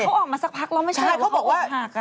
เขาออกมาสักพักแล้วไม่ใช่ว่าเขาโอบหัก